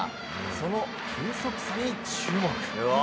その球速差に注目。